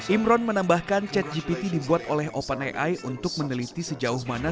imron menambahkan chatgpt dibuat oleh openai untuk meneliti sejauh mana